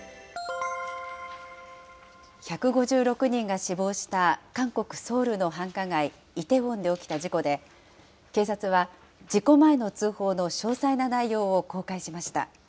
１５６人が死亡した韓国・ソウルの繁華街、イテウォンで起きた事故で、警察は、事故前の通報の詳細な内容を公開しました。